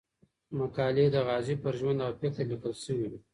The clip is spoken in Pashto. مقالې د غازي پر ژوند او فکر ليکل شوې وې.